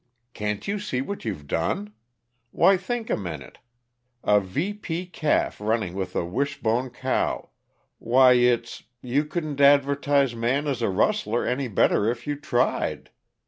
Can't you see what you've done? Why, think a minute! A VP calf running with a Wishbone cow why, it's you couldn't advertise Man as a rustler any better if you tried.